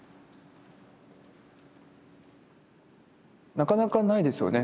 なかなかないですよね。